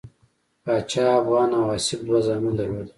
پاچا افغان او آصف دوه زامن درلودل.